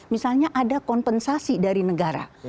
misalnya ada kompensasi dari negara